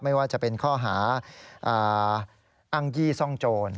ไม่ว่าจะเป็นข้อหาอ้างยี่ซ่องโจร